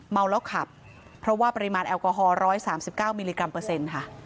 เมาแล้วขับเพราะว่าปริมาณแอลกอฮอล๑๓๙มิลลิกรัมเปอร์เซ็นต์ค่ะ